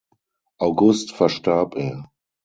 August verstarb er.